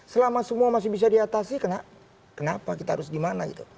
selama semua masih bisa diatasi kenapa kita harus dimana gitu